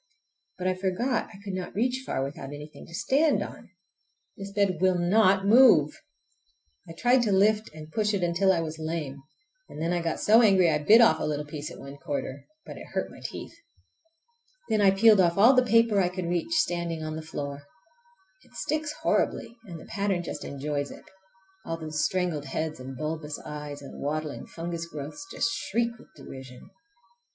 But I forgot I could not reach far without anything to stand on! This bed will not move! I tried to lift and push it until I was lame, and then I got so angry I bit off a little piece at one corner—but it hurt my teeth. Then I peeled off all the paper I could reach standing on the floor. It sticks horribly and the pattern just enjoys it! All those strangled heads and bulbous eyes and waddling fungus growths just shriek with derision!